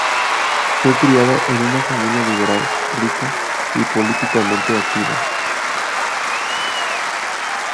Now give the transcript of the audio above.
Fue criada en una familia liberal rica y políticamente activa.